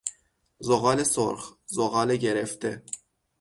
زغال سرخ، زغال گرفته